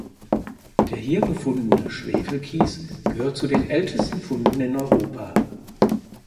Der hier gefundene Schwefelkies gehört zu den ältesten Funden in Europa.